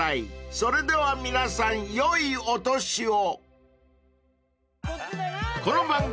［それでは皆さん良いお年を］